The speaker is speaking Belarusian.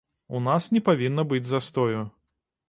У нас не павінна быць застою.